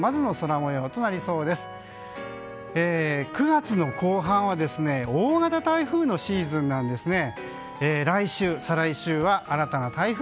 ９月の後半は大型台風のシーズンなんですね。